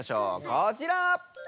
こちら！